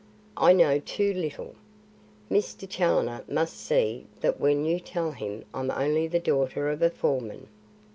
I know too little. Mr. Challoner must see that when you tell him I'm only the daughter of a foreman."